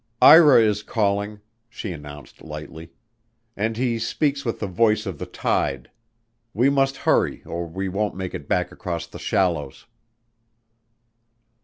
"Ira is calling," she announced lightly, "and he speaks with the voice of the tide. We must hurry or we won't make it back across the shallows."